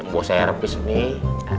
buat saya servis nih